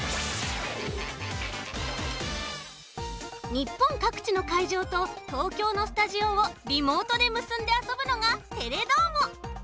日本かくちのかいじょうと東京のスタジオをリモートでむすんであそぶのが「テレどーも！」。